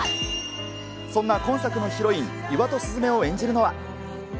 そんな今作のヒロイン、岩戸鈴芽を演じるのは。